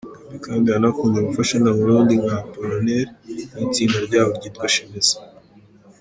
Gaby kandi yanakunze gufasha n’abarundi nka Appolonaire n’itsinda ryaho ryitwa Shemeza.